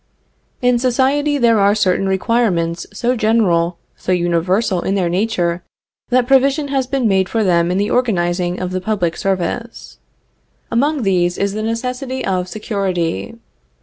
In society there are certain requirements so general, so universal in their nature, that provision has been made for them in the organizing of the public service. Among these is the necessity of security.